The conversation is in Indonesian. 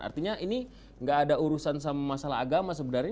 artinya ini nggak ada urusan sama masalah agama sebenarnya